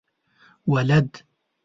ولد؟